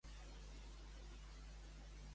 Ser una tia Jana.